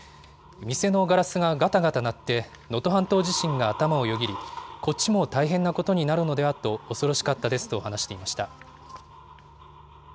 店のガラスががたがた鳴って、能登半島地震が頭をよぎり、こっちも大変なことになるのではと恐ろしかったですと話していました。